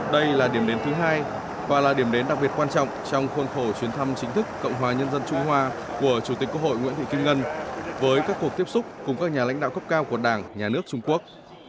đây là điểm đến thứ hai và là điểm đến đặc biệt quan trọng trong khuôn khổ chuyến thăm chính thức cộng hòa nhân dân trung hoa của chủ tịch quốc hội nguyễn thị kim ngân với các cuộc tiếp xúc cùng các nhà lãnh đạo cấp cao của đảng nhà nước trung quốc